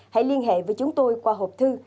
hãy liên hệ với chúng tôi qua hộp thư